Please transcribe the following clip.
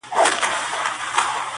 خو لا يې سترگي نه دي سرې خلگ خبري كـوي.